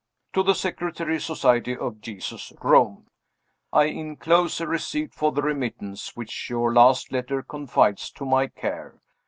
To the Secretary, Society of Jesus, Rome. I inclose a receipt for the remittance which your last letter confides to my care.